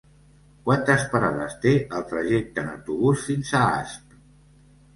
Quantes parades té el trajecte en autobús fins a Asp?